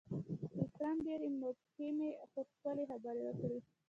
ویکرم ډېرې مبهمې، خو ښکلي خبرې وکړې: